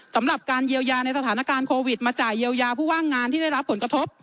สำหรับการเยียวยาในสถานการณ์โควิดมาจ่ายเยียวยาผู้ว่างงานที่ได้รับผลกระทบ